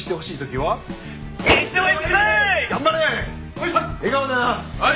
はい！